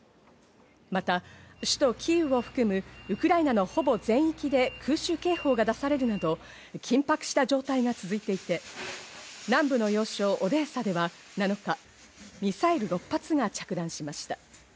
また首都キーウを含むウクライナのほぼ全域で空襲警報が出されるなど、緊迫した状態が続いていて、南部の要衝オデーサでは７日、ミサイル６発が着弾しました。